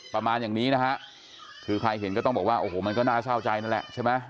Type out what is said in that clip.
ประมาณอย่างนี้นะฮะคือใครเห็นก็ต้องบอกว่าโอ้โหมันก็น่าเศร้าใจนั่นแหละใช่ไหม